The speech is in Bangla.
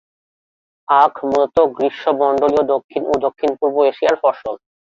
আখ মূলত গ্রীষ্মমন্ডলীয় দক্ষিণ ও দক্ষিণ-পূর্ব এশিয়ার ফসল।